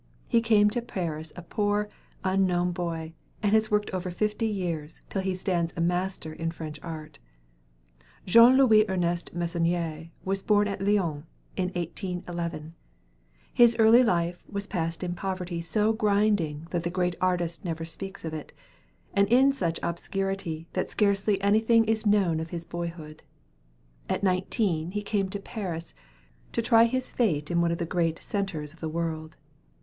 He came to Paris a poor, unknown boy, and has worked over fifty years, till he stands a master in French art. Jean Louis Ernest Meissonier was born at Lyons, in 1811. His early life was passed in poverty so grinding that the great artist never speaks of it, and in such obscurity that scarcely anything is known of his boyhood. At nineteen he came to Paris to try his fate in one of the great centres of the world.